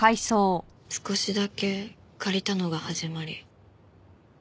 少しだけ借りたのが始まり。